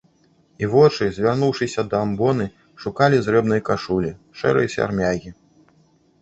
І вочы, звярнуўшыся да амбоны, шукалі зрэбнай кашулі, шэрай сярмягі.